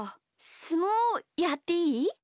すもうやっていい？